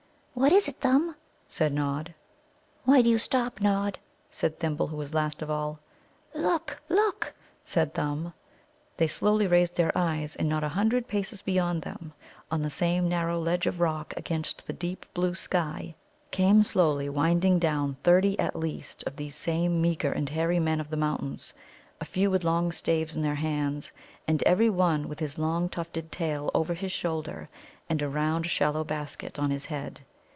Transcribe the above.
"What is it, Thumb?" said Nod. "Why do you stop, Nod?" said Thimble, who was last of all. "Look, look!" said Thumb. They slowly raised their eyes, and not a hundred paces beyond them, on the same narrow ledge of rock against the deep blue sky, came slowly winding down thirty at least of these same meagre and hairy Men of the Mountains, a few with long staves in their hands, and every one with his long tufted tail over his shoulder and a round shallow basket on his head.